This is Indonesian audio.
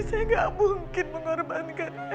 saya gak mungkin mengorbankan